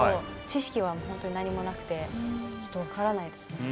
知識はホントに何もなくてちょっと分からないですね。